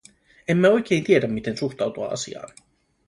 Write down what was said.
Emme oikein tiedä, miten suhtautua asiaan.